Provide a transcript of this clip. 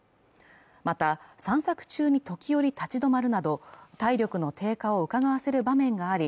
また散策中に時折立ち止まるなど体力の低下をうかがわせる場面があり